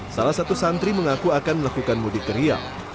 salah satu santri mengaku akan melakukan mudik terial